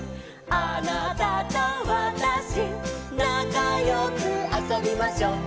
「あなたとわたしなかよくあそびましょう」